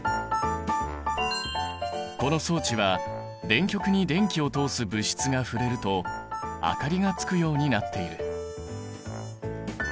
この装置は電極に電気を通す物質が触れると明かりがつくようになっている。